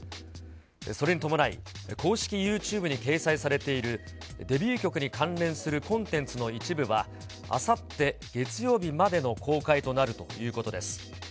それに伴い、公式ユーチューブに掲載されている、デビュー曲に関連するコンテンツの一部は、あさって月曜日までの公開となるということです。